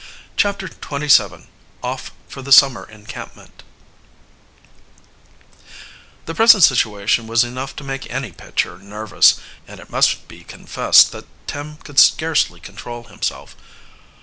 CHAPTER XXVII OFF FOR THE SUMMER ENCAMPMEMT The present situation was enough to make any pitcher nervous, and it must be confessed that Tom could scarcely control himself.